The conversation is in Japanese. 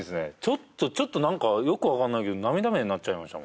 ちょっとちょっと何かよく分かんないけど涙目になっちゃいました